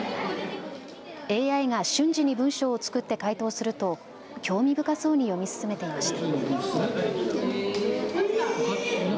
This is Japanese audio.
ＡＩが瞬時に文章を作って回答すると興味深そうに読み進めていました。